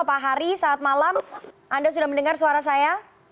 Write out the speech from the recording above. pak hari saat malam anda sudah mendengar suara saya